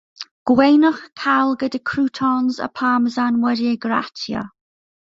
Gweinwch y cawl gyda croûtons a Parmesan wedi'i gratio.